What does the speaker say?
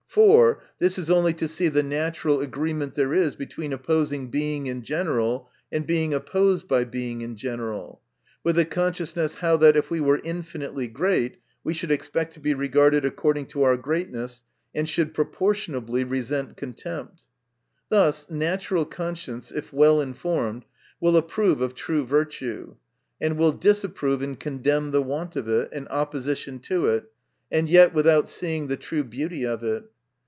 For, this is only to see the natural THE NATURE OF VIRTUE. 289 agreement there is between opposing Being in general, and being opposed by Being in general ; with a consciousness how that if we were infinitely great, we should expect to be regarded according to our greatness, and should proportion ably resent contempt. Thus natural conscience, if well informed, will approve of true virtue, and will disapprove and condemn the want of it, and opposition to it ; and yet without seeing the true beauty of it.